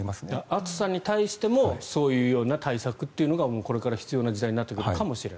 暑さに対してもそういう対策というのがこれから必要な時代になってくるかもしれない。